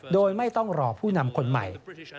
โดยไม่ต้องรอผู้นำคนใหม่